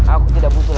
aku tidak butuh lagi